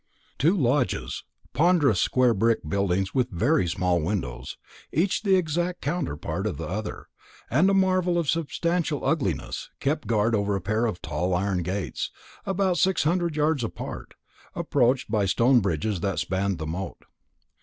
Two lodges ponderous square brick buildings with very small windows, each the exact counterpart of the other, and a marvel of substantial ugliness kept guard over a pair of tall iron gates, about six hundred yards apart, approached by stone bridges that spanned the moat.